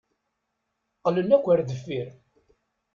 Qqlen akk ar deffir.